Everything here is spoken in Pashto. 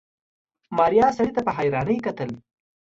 ماريا سړي ته په حيرانۍ کتل.